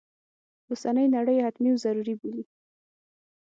اوسنی نړی یې حتمي و ضروري بولي.